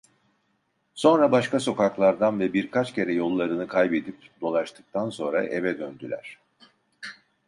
Sonra başka sokaklardan ve birkaç kere yollarını kaybedip dolaştıktan sonra eve döndüler.